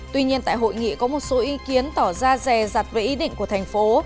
tuy nhiên tại hội nghị có một số ý kiến tỏ ra rè rặt về ý định của thành phố